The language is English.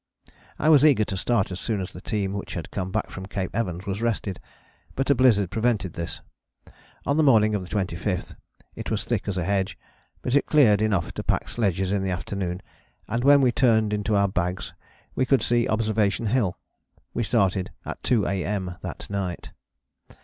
I was eager to start as soon as the team which had come back from Cape Evans was rested, but a blizzard prevented this. On the morning of the 25th it was thick as a hedge, but it cleared enough to pack sledges in the afternoon, and when we turned into our bags we could see Observation Hill. We started at 2 A.M. that night.